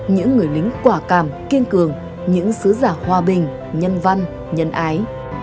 những người lính quả cảm kiên cường những sứ giả hòa bình nhân văn nhân ái